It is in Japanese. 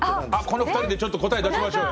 この２人でちょっと答え出しましょうよ。